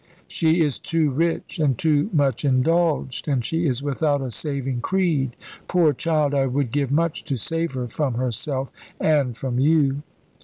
"She is too rich and too much indulged, and she is without a saving creed. Poor child, I would give much to save her from herself and from you."